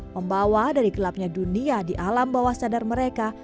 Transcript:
membawa dari gelapnya dunia di alam bawah sadar mereka